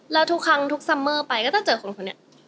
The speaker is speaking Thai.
แล้วทุกครั้งทุกซัมเมอร์ไปก็จะเจอคนคนนี้